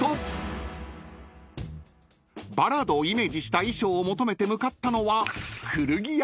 ［バラードをイメージした衣装を求めて向かったのは古着屋さん］